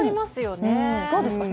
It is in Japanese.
どうですか？